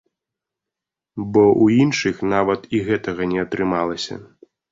Бо ў іншых нават і гэтага не атрымалася.